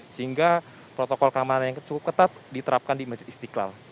sehingga protokol keamanan yang cukup ketat diterapkan di masjid istiqlal